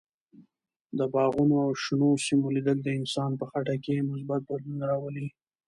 د باغونو او شنو سیمو لیدل د انسان په خټه کې مثبت بدلون راولي.